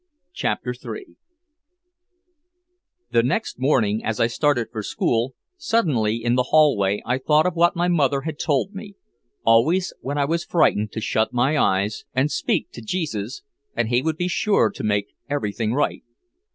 CHAPTER III The next morning as I started for school, suddenly in the hallway I thought of what my mother had told me always when I was frightened to shut my eyes and speak to Jesus and he would be sure to make everything right.